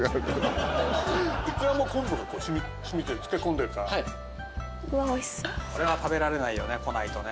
いくらも昆布が染みて漬け込んでるからこれは食べられないよね来ないとね。